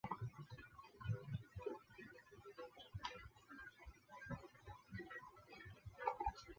出色的稳定性和对比赛的掌控能力。